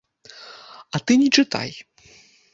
А ты не чытай.